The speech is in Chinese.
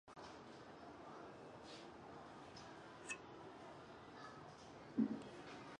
峨眉地蜥为蜥蜴科地蜥属的爬行动物。